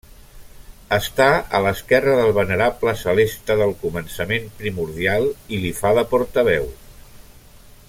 Està a l'esquerra del Venerable celeste del començament primordial i li fa de portaveu.